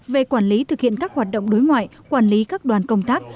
về quản lý thực hiện các hoạt động đối ngoại quản lý các đoàn công tác